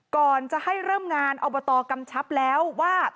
ก่อนจะให้เริ่มงานอบตกำชับแล้วว่า